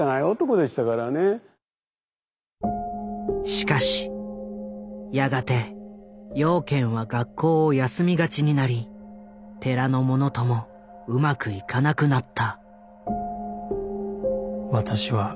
しかしやがて養賢は学校を休みがちになり寺の者ともうまくいかなくなった。